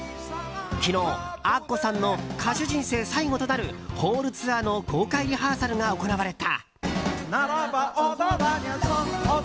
昨日、アッコさんの歌手人生最後となるホールツアーの公開リハーサルが行われた。